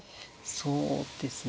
そうですね